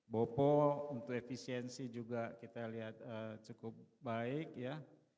bopo untuk efisiensi juga kita lihat cukup baik ya